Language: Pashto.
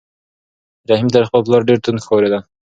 رحیم تر خپل پلار ډېر توند ښکارېده.